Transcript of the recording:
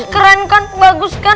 keren kan bagus kan